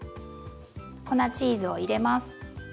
粉チーズを入れます。